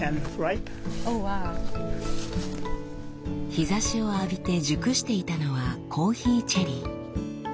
日ざしを浴びて熟していたのはコーヒーチェリー。